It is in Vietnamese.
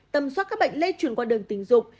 tầm soát các bệnh lây chuyển qua đường tình dục